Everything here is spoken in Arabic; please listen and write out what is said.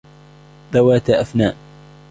ذواتا أفنان